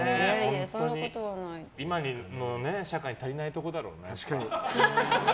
今の社会に足りないとこだろうね。